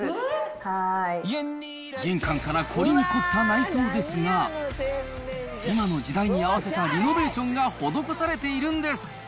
玄関から凝りに凝った内装ですが、今の時代に合わせたリノベーションが施されているんです。